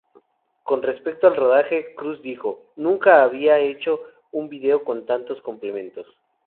Con respecto al rodaje, Cruz dijo "Nunca había hecho un vídeo con tantos complementos.